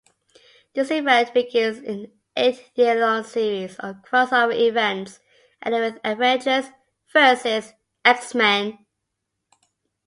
This event begins an eight-year-long series of cross-over events ending with "Avengers versus X-Men".